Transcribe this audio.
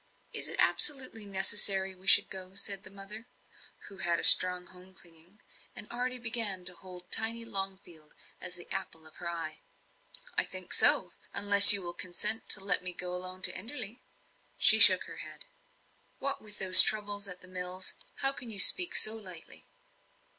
"Is it absolutely necessary we should go?" said the mother, who had a strong home clinging, and already began to hold tiny Longfield as the apple of her eye. "I think so, unless you will consent to let me go alone to Enderley." She shook her head. "What, with those troubles at the mills? How can you speak so lightly?"